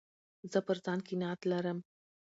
زه پر ځان قناعت لرم.